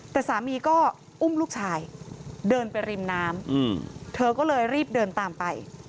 แต่สามีก็อุ้มลูกชายเดินไปริมน้ำเธอก็เลยรีบเดินตามไป